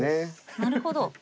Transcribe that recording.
なるほど。